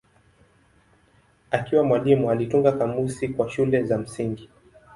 Akiwa mwalimu alitunga kamusi kwa shule za msingi.